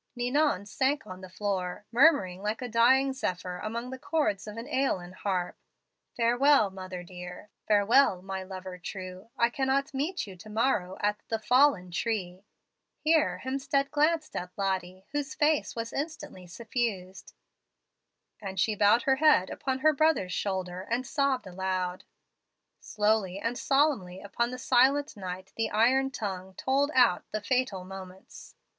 "Ninon sank on the floor, murmuring like a dying zephyr among the chords of an AEolian harp, 'Farewell, mother dear. Farewell, my lover true. I cannot meet you to morrow at the FALLEN TREE' (here Hemstead glanced at Lottie, whose face was instantly suffused); and she bowed her bead upon her brother's shoulder, and sobbed aloud. "Slowly and solemnly upon the silent night the iron tongue tolled out the fatal moments.